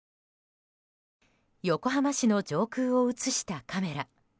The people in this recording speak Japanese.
横浜市の上空を映したカメラ。